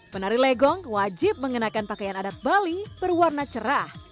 penari legong wajib mengenakan pakaian adat bali berwarna cerah